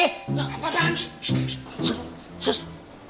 pasangan sus sus sus sus